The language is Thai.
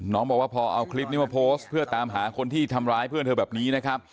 บอกว่าพอเอาคลิปนี้มาโพสต์เพื่อตามหาคนที่ทำร้ายเพื่อนเธอแบบนี้นะครับ